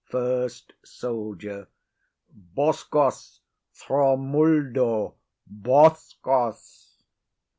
FIRST SOLDIER. _Boskos thromuldo boskos.